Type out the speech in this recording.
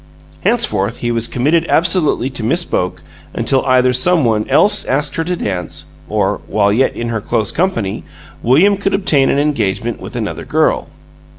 Henceforth, he was committed absolutely to Miss Boke until either some one else asked her to dance, or (while yet in her close company) William could obtain an engagement with another girl.